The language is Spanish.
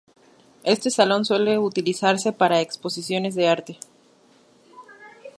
Este salón suele utilizarse para exposiciones de arte.